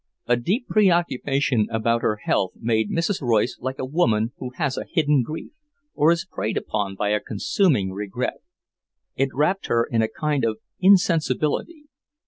A deep preoccupation about her health made Mrs. Royce like a woman who has a hidden grief, or is preyed upon by a consuming regret. It wrapped her in a kind of insensibility.